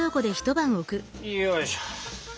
よいしょ。